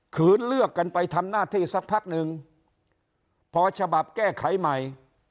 เลือกกันไปทำหน้าที่สักพักหนึ่งพอฉบับแก้ไขใหม่